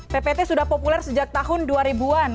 ppt sudah populer sejak tahun dua ribu an